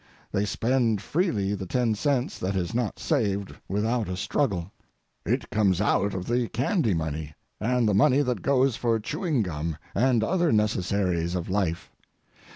They spend freely the ten cents that is not saved without a struggle. It comes out of the candy money, and the money that goes for chewing gum and other necessaries of life.